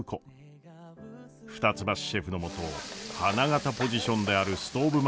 二ツ橋シェフのもと花形ポジションであるストーブ